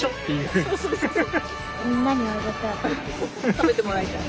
食べてもらいたい？